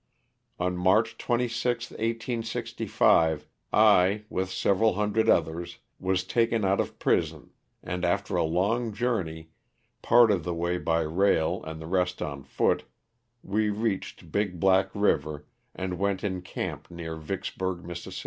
On March 2G, 18G5, I, with several hundred others, was taken out of prison and after a long journey, part of the way by rail and the rest on foot, we reached Big Black river, and went in camp near Vicksburg, Miss.